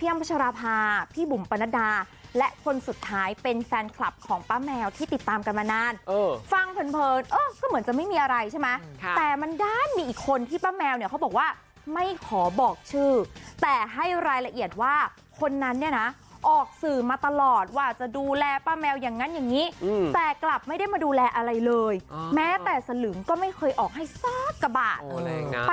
อ้ำพัชราภาพี่บุ๋มปนัดดาและคนสุดท้ายเป็นแฟนคลับของป้าแมวที่ติดตามกันมานานฟังเพลินเออก็เหมือนจะไม่มีอะไรใช่ไหมแต่มันด้านมีอีกคนที่ป้าแมวเนี่ยเขาบอกว่าไม่ขอบอกชื่อแต่ให้รายละเอียดว่าคนนั้นเนี่ยนะออกสื่อมาตลอดว่าจะดูแลป้าแมวอย่างนั้นอย่างนี้แต่กลับไม่ได้มาดูแลอะไรเลยแม้แต่สลึงก็ไม่เคยออกให้สักกะบาทไป